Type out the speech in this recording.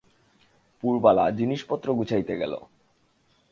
পুরবালা জিনিসপত্র গুছাইতে গেল।